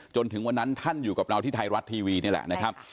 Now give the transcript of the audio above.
จนถึงวันนั้นท่านอยู่กับเราที่ไทยรัฐทีวีนี่แหละนะครับ